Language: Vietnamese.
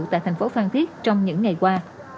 tại thành phố phan thiết trong những ngày qua